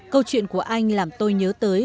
câu chuyện của anh làm tôi nhớ tới